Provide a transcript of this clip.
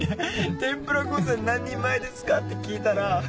「天ぷら御膳何人前ですか？」って聞いたら。